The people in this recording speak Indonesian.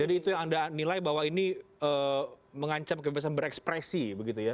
jadi itu yang anda nilai bahwa ini mengancam kebebasan berekspresi begitu ya